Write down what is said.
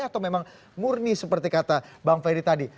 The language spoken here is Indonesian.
atau memang murni seperti kata bang ferry tadi